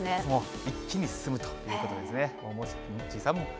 もう、一気に進むということですね。